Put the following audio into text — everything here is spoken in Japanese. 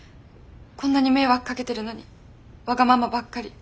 こんなに迷惑かけてるのにわがままばっかり。